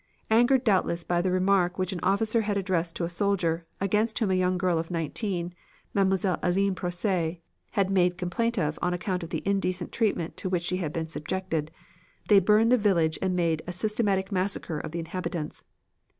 Angered doubtless by the remark which an officer had addressed to a soldier, against whom a young girl of nineteen, Mlle. Helene Proces, had made complaint of on account of the indecent treatment to which she had been subjected, they burned the village and made a systematic massacre of the inhabitants.